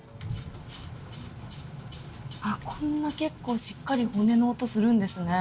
こんな結構しっかり骨の音するんですね。